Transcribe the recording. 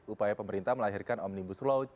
upaya pemerintah melahirkan omnibus law